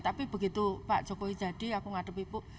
tapi begitu pak jokowi jadi aku ngadep ibu